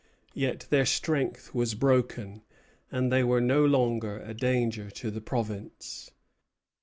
Yet their strength was broken, and they were no longer a danger to the province.